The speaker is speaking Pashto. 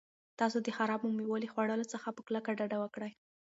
تاسو د خرابو مېوو له خوړلو څخه په کلکه ډډه وکړئ.